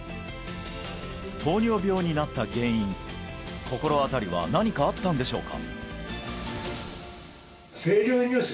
糖尿病になった原因心当たりは何かあったんでしょうか？